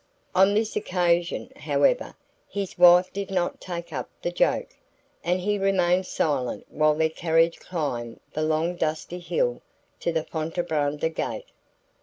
On this occasion, however, his wife did not take up the joke, and he remained silent while their carriage climbed the long dusty hill to the Fontebranda gate.